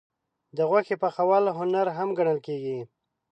د غوښې پخول هنر هم ګڼل کېږي.